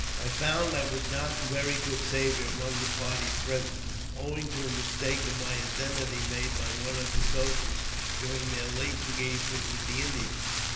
I found I was not in very good savour among the parties present, owing to a mistake in my identity made by one of the soldiers during their late engagement with the Indians.